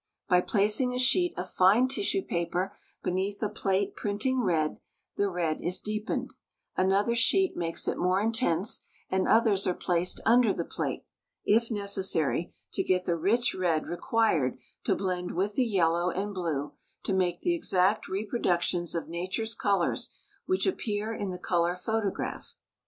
By placing a sheet of fine tissue paper beneath a plate printing red, the red is deepened, another sheet makes it more intense, and others are placed under the plate, if necessary, to get the rich red required to blend with the yellow and blue to make the exact reproductions of nature's colors which appear in the color photograph.